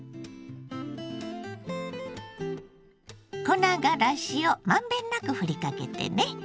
粉がらしをまんべんなくふりかけてね。